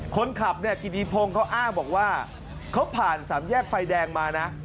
คนขับเนี่ยกิติพงศ์เขาอ้างบอกว่าเขาผ่านสามแยกไฟแดงมานะ